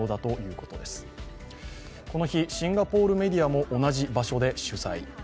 この日、シンガポールメディアも同じ場所で取材。